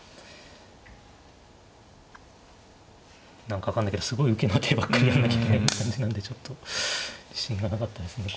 何か分かんないけどすごい受けの手ばっかりやんなきゃいけない感じなんでちょっと自信がなかったですね。